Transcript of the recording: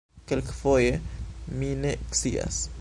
Kelkfoje... mi ne scias...